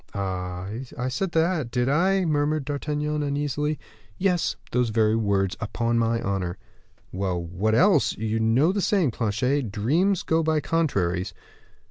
'" "Ah! I said that, did I?" murmured D'Artagnan, uneasily. "Yes, those very words, upon my honor." "Well, what else? You know the saying, Planchet, 'dreams go by contraries.